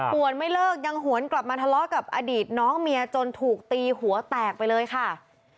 วนไม่เลิกยังหวนกลับมาทะเลาะกับอดีตน้องเมียจนถูกตีหัวแตกไปเลยค่ะ